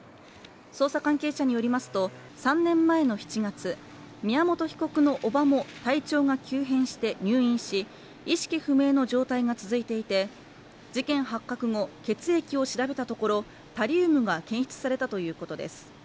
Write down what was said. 捜査関係者によりますと、３年前の７月宮本被告の叔母も体調が急変して入院し、意識不明の状態が続いていて、事件発覚後、血液を調べたところ、タリウムが検出されたということです。